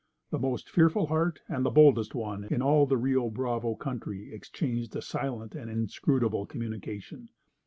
The most fearful heart and the boldest one in all the Rio Bravo country exchanged a silent and inscrutable communication.